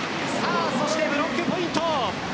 そしてブロックポイント。